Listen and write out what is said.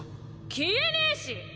消えねぇし！